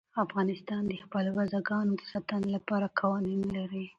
افغانستان د خپلو بزګانو د ساتنې لپاره قوانین لري.